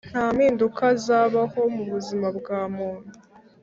nta mpinduka zabaho mubuzima bwa muntu